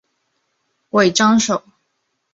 尾张守。